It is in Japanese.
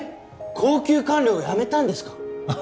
高級官僚を辞めたんですか？